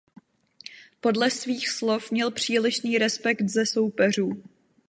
Podle svých slov měl přílišný respekt ze soupeřů.